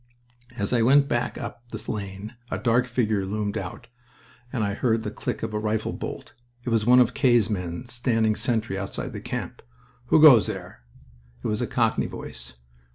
As I went back up the lane a dark figure loomed out, and I heard the click of a rifle bolt. It was one of K.'s men, standing sentry outside the camp. "Who goes there?" It was a cockney voice.